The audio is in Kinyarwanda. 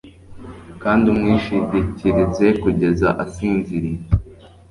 kandi umwishingikirize kugeza asinziriye